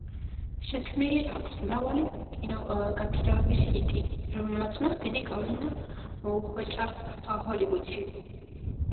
შექმნილი აქვს მრავალი კინოგაქირავების ჰიტი, რომელმაც მას დიდი გავლენა მოუხვეჭა ჰოლივუდში.